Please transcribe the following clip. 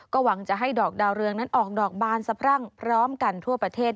หวังจะให้ดอกดาวเรืองนั้นออกดอกบานสะพรั่งพร้อมกันทั่วประเทศ